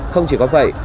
không chỉ có vậy